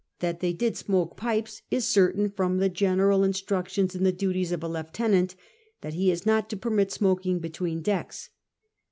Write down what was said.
That they did smoke pipes is certain from the general instructions in the duties of a lieutenant that he is not to permit smoking between decks.